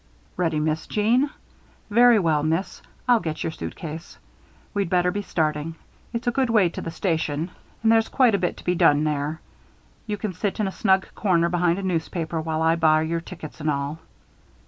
"Ready, Miss Jeanne? Very well, Miss. I'll get your suitcase. We'd better be starting. It's a good way to the station and there's quite a bit to be done there. You can sit in a snug corner behind a newspaper, while I buy your tickets and all."